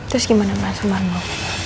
terus gimana sama sumarno